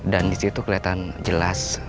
dan di situ kelihatan jelas sosok kurirnya pak